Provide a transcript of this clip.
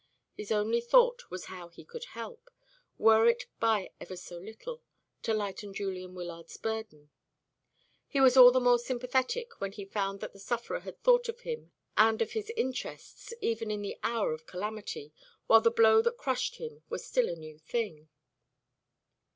His only thought was how he could help, were it by ever so little, to lighten Julian Wyllard's burden. He was all the more sympathetic when he found that the sufferer had thought of him and of his interests even in the hour of calamity, while the blow that crushed him was still a new thing.